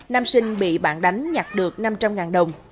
nam sinh bị bạn đánh nhặt được năm trăm linh đồng